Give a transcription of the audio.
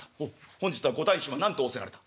「本日は御大身は何と仰せられた？」。